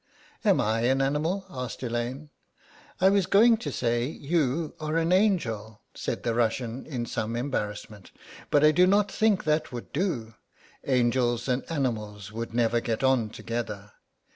"Am I an animal?" asked Elaine. "I was going to say you are an angel," said the Russian, in some embarrassment, "but I do not think that would do; angels and animals would never get on together.